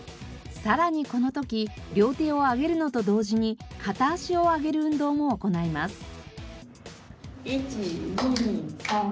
さらにこの時両手を上げるのと同時に片足を上げる運動も行います。